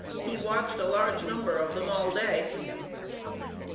he watched a large number of them all day.